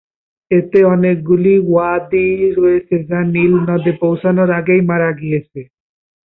এতে অনেকগুলি ওয়াদি রয়েছে যা নীল নদে পৌঁছানোর আগেই মারা গিয়েছে।